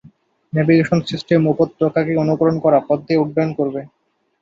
Navigation সিস্টেমে উপত্যকাকে অনুকরণ করা পথ দিয়ে উড্ডয়ন করবে।